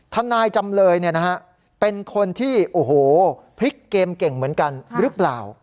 นายจำเลยเป็นคนที่โอ้โหพลิกเกมเก่งเหมือนกันหรือเปล่า